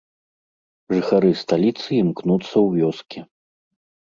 Жыхары сталіцы імкнуцца ў вёскі.